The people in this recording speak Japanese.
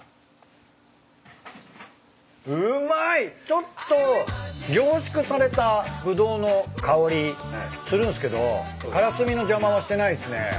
ちょっと凝縮されたブドウの香りするんすけどからすみの邪魔はしてないっすね。